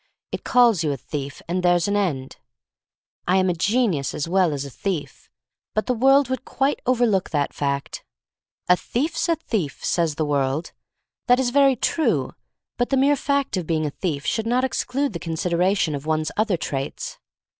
It calls you a thief, and there's an end. I am a genius as well as a thief — but the world would quite overlook that fact. "A thief's a 144 'I^HE STORY OF MARY MAC LANE thief," says the world. That is very true. But the mere fact of being a thief should not exclude the considera tion of one's other traits.